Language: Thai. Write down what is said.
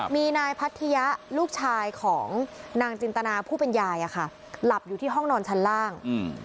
มีนายพัทยะลูกชายของนางจินตนาผู้เป็นยายหลับอยู่ที่ห้องนอนชั้นล่าง